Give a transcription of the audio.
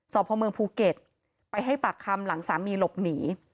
พ่อเมืองภูเก็ตไปให้ปากคำหลังสามีหลบหนี